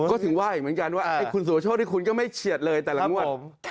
ก็ถึงว่าอีกเหมือนกันว่าคุณสุรโชคที่คุณก็ไม่เฉียดเลยแต่ละงวด